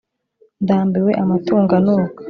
ndambiwe amatungo anuka